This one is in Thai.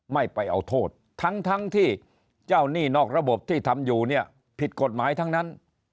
ไม่ไปเอาโทษทั้งที่เจ้าหนี้นอกระบบที่ทำอยู่เนี่ยผิดกฎหมายทั้งนั้น